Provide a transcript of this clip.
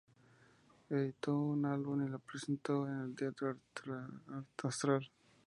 Editó un álbum y lo presentó en el teatro Astral.